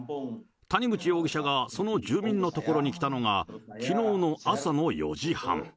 谷口容疑者がその住民の所に来たのがきのうの朝の４時半。